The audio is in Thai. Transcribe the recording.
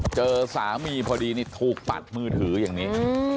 เจอสามีพอดีนี่ถูกปัดมือถืออย่างนี้